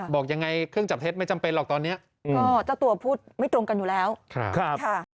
บอกยังไงเครื่องจับเท็จไม่จำเป็นหรอกตอนนี้ก็เจ้าตัวพูดไม่ตรงกันอยู่แล้วค่ะ